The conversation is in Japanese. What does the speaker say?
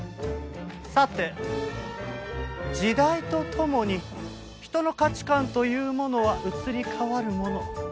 さて時代とともに人の価値観というものは移り変わるもの。